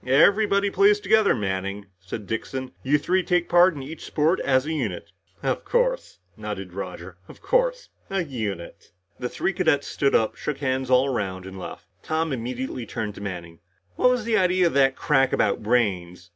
"Everybody plays together, Manning," said Dixon. "You three take part in each sport as a unit." "Of course," nodded Roger. "Of course as a unit." The three cadets stood up, shook hands all around and left. Tom immediately turned to Manning. "What was the idea of that crack about brains?"